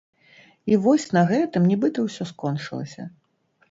І вось на гэтым нібыта ўсё скончылася.